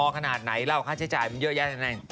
อ๋อ๓๐๐๐๐บาทพอที่ไหนละ